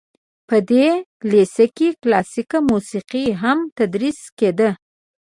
په دې لیسه کې کلاسیکه موسیقي هم تدریس کیده.